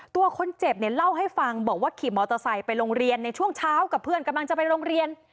ตัวคนเจ็บเนี่ยเล่าให้ฟังบอกว่าขี่มอเตอร์ไซค์ไปโรงเรียนในช่วงเช้ากับเพื่อนกำลังจะไปโรงเรียน